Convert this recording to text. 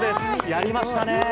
やりましたね。